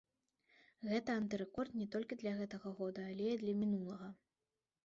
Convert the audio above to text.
Гэта антырэкорд не толькі для гэтага года, але і для мінулага.